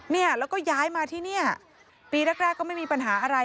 เนี่ยแล้วก็ย้ายมาที่เนี่ยปีแรกก็ไม่มีปัญหาอะไร